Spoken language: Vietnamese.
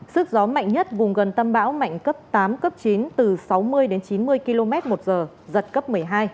sức gió mạnh nhất vùng gần tâm bão mạnh cấp tám cấp chín từ sáu mươi đến chín mươi km một giờ giật cấp một mươi hai